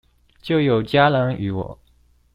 就有家人與我